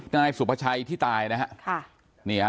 นายสุภาชัยที่ตายนะฮะ